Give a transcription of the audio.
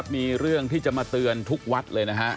มีเรื่องที่จะมาเตือนทุกวัดเลยนะฮะ